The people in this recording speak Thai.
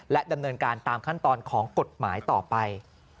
ดำเนินการตามขั้นตอนของกฎหมายต่อไป